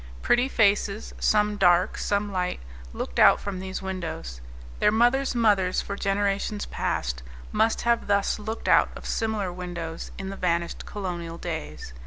Pretty faces, some dark, some light, looked out from these windows; their mothers' mothers, for generations past, must thus have looked out of similar windows in the vanished colonial days.